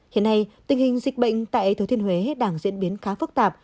hiện nay tình hình dịch bệnh tại thừa thiên huế đang diễn biến khá phức tạp